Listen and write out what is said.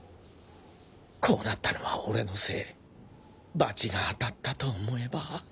こうなったのは俺のせい罰が当たったと思えば